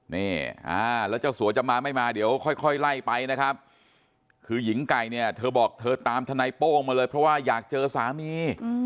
นี่แล้วเจ้าสัวจะมาไม่มาเดี๋ยวค่อยไล่ไปนะครับคือหญิงไก่เนี่ยเธอบอกเธอตามทนายโป้งมาเลยเพราะว่าอยากเจอสามี